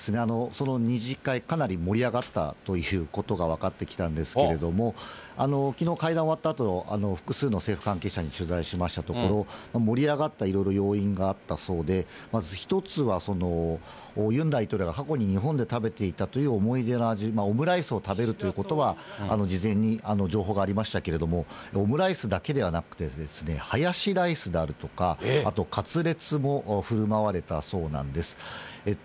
その２次会、かなり盛り上がったということが分かってきたんですけれども、きのう会談終わったあと、複数の政府関係者に取材しましたところ、盛り上がったいろいろ要因があったそうで、まず１つは、ユン大統領が過去に日本で食べていたという思い出の味、オムライスを食べるということは事前に情報がありましたけれども、オムライスだけではなくてですね、ハヤシライスであるとか、あとカツレツもふるまわれたそうなんです。